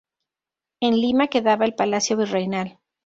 En Lima quedaba el palacio virreinal.